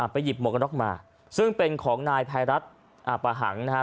ไปหยิบหมวกกันน็อกมาซึ่งเป็นของนายภัยรัฐอาปะหังนะครับ